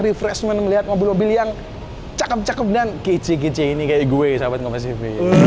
refreshment melihat mobil mobil yang cakep cakep dan kici kinci ini kayak gue sahabat komposiv